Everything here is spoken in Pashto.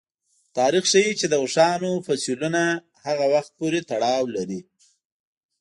تاریخ ښيي چې د اوښانو فسیلونه هغه وخت پورې تړاو لري.